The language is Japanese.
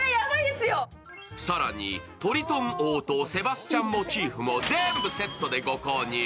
更にトリトン王とセバスチャンモチーフも全部セットでご購入。